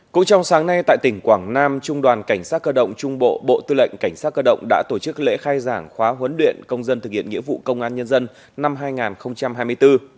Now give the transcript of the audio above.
cũng trong sáng nay tại tỉnh quảng nam trung đoàn cảnh sát cơ động trung bộ bộ tư lệnh cảnh sát cơ động đã tổ chức lễ khai giảng khóa huấn luyện công dân thực hiện nghĩa vụ công an nhân dân năm hai nghìn hai mươi bốn